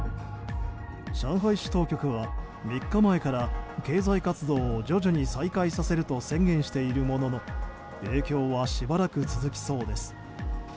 上海市当局は、３日前から経済活動を徐々に再開させると宣言しているものの影響は、しばらく続きそうです。